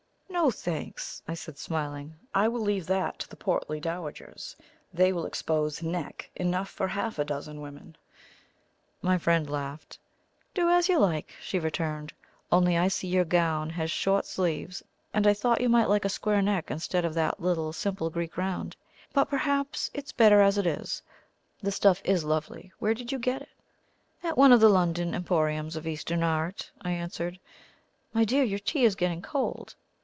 "No, thanks!" I said, smiling. "I will leave that to the portly dowagers they will expose neck enough for half a dozen other women." My friend laughed. "Do as you like," she returned; "only I see your gown has short sleeves, and I thought you might like a square neck instead of that little simple Greek round. But perhaps it's better as it is. The stuff is lovely; where did you get it?" "At one of the London emporiums of Eastern art," I answered. "My dear, your tea is getting cold."